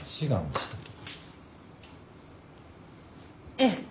ええ。